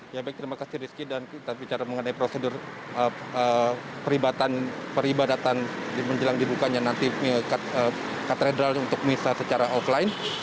ya baik terima kasih rizky dan kita bicara mengenai prosedur peribadatan menjelang dibukanya nanti katedral untuk misa secara offline